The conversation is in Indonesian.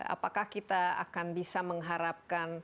apakah kita akan bisa mengharapkan